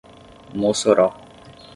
Mossoró